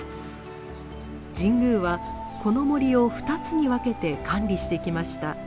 神宮はこの森を２つに分けて管理してきました。